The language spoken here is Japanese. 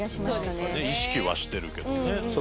ねっ意識はしてるけどね